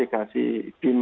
di kita kita juga ada audit